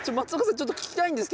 ちょっと聞きたいんですけど。